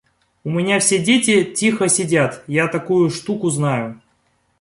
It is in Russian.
У меня все дети тихо сидят, я такую штуку знаю.